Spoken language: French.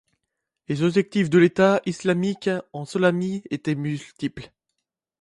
Les objectifs de l'Etat islamique en Somalie étaient multiples.